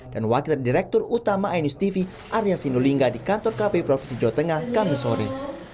dan wakil direktur utama anu tv arya sinulinga di kantor kpu profesi jawa tengah kamisori